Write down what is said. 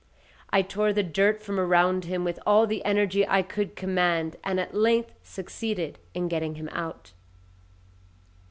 I tore the dirt from around him with all the energy I could command, and at length succeeded in getting him out.